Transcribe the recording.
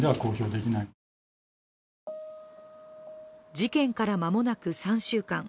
事件から間もなく３週間。